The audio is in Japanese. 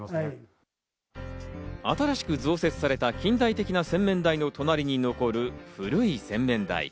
新しく増設された近代的な洗面台の隣に残る古い洗面台。